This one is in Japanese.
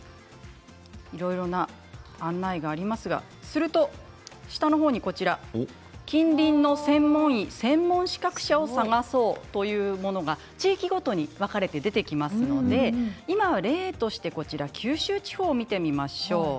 いろいろな案内がありますがすると下の方に近隣の専門医・専門資格者を探そうというものが地域ごとに分かれて出てきますので今は例としてして九州地方を見てみましょう。